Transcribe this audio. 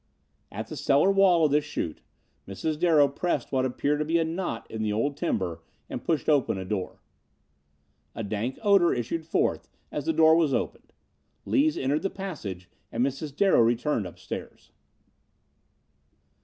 At the cellar wall of this chute, Mrs. Darrow pressed what appeared to be a knot in the old timber and pushed open a door. A dank odor issued forth as the door was opened. Lees entered the passage and Mrs. Darrow returned upstairs.